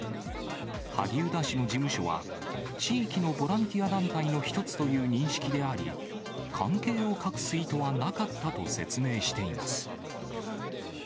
萩生田氏の事務所は、地域のボランティア団体の一つという認識であり、関係を隠す意図はなかったと説明しています。